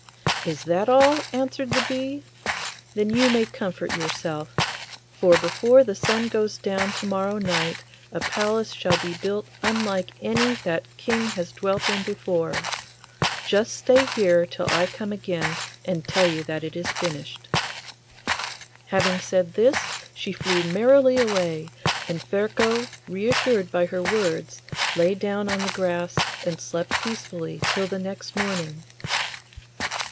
'Is that all?' answered the bee, 'then you may comfort yourself; for before the sun goes down to morrow night a palace shall be built unlike any that King has dwelt in before. Just stay here till I come again and tell you that it is finished.' Having said this she flew merrily away, and Ferko, reassured by her words, lay down on the grass and slept peacefully till the next morning.